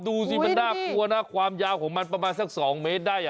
ดูสิมันน่ากลัวนะความยาวของมันประมาณสัก๒เมตรได้